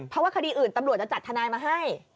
เพราะว่าคดีอื่นตำรวจจะจัดทนายมาให้